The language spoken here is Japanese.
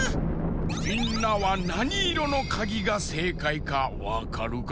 みんなはなにいろのかぎがせいかいかわかるかのう？